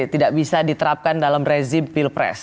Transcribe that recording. tidak bisa diterapkan dalam rezim pilpres